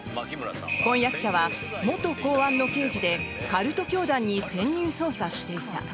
婚約者は元公安の刑事でカルト教団に潜入捜査していた。